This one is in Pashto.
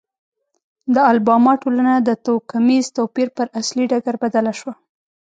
د الاباما ټولنه د توکمیز توپیر پر اصلي ډګر بدله شوه.